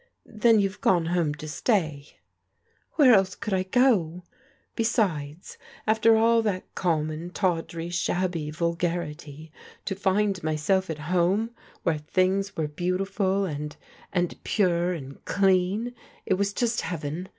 " Then you've gone home to stay ?"" Where else could I go ? Besides, after all that cona mon, tawdry, shabby vulgarity, to find myself at home where things were beautiful and — ^and pure, and clean, it was just heaven.